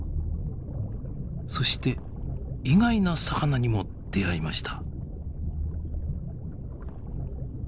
そして意外な魚にも出会いました。